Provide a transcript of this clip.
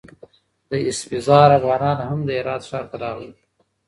د اسفزار افغانان هم د هرات ښار ته راغلل.